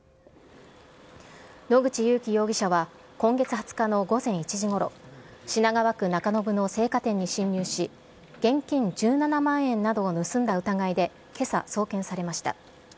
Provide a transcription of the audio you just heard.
野口勇樹容疑者は、今月２０日の午前１時ごろ、品川区中延の青果店に侵入し、現金１７万円などを盗んだ疑いで、けさ送検されました。